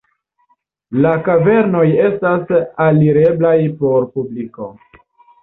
La kavernoj estas alireblaj por publiko.